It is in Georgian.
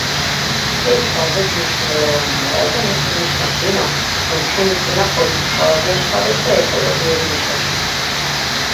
ეს ძალზედ მნიშვნელოვანია, რადგან ეს ნიშნავს იმას, რომ ჩვენი წინაპრები ცხოვრობდნენ სხვადასხვა ეკოლოგიურ ნიშაში.